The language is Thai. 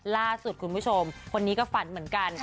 ล่าสุดคุณผู้ชมคนนี้ก็ฝันเหมือนกัน